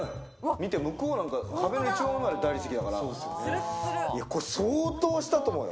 見て、向こう側なんか壁の一面まで、大理石だからこれ相当したと思うよ。